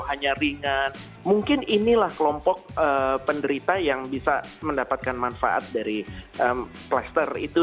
hanya ringan mungkin inilah kelompok penderita yang bisa mendapatkan manfaat dari klaster itu